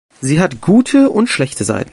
Sie hat gute und schlechte Seiten.